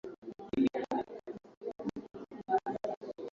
taarifa imetolewa na mkuu wa utafiti afrika